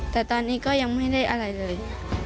แต่ตอนนี้ก็ยังไม่ได้อะไรเลย